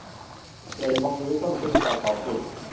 ไก่งวงมีไว้สำหรับเทศกาลขอบคุณ